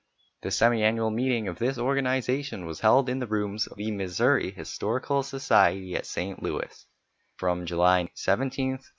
The semi annual meeting of this organization was held in the rooms of the Missouri Historical Society at St. Louis, June 17 19.